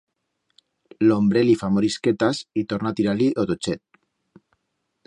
L'hombre li fa morisquetas y torna a tirar-li o tochet.